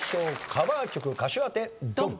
カバー曲歌手当てドン！